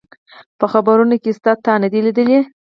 په خبرونو کي شته، تا نه دي لیدلي؟